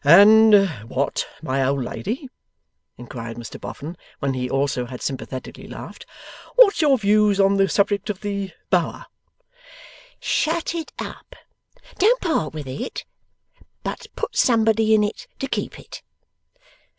'And what, my old lady,' inquired Mr Boffin, when he also had sympathetically laughed: 'what's your views on the subject of the Bower?' 'Shut it up. Don't part with it, but put somebody in it, to keep it.